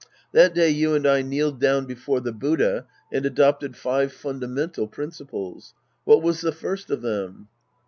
That day you and I kneeled down before the Buddha and adopted five fundamental principles. What was the first of them